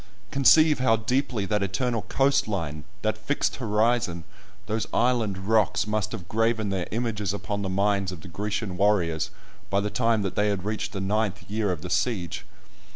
Conceive how deeply that eternal coast line, that fixed horizon, those island rocks, must have graven their images upon the minds of the Grecian warriors by the time that they had reached the ninth year of the siege!